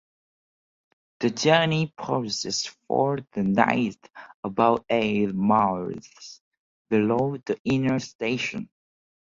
The journey pauses for the night about eight miles below the Inner Station.